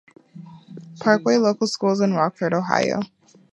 Parkway Local Schools in Rockford, Ohio.